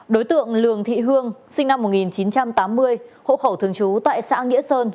đối tượng lường thị hương sinh năm một nghìn chín trăm tám mươi hộ khẩu thường trú tại xã nghĩa sơn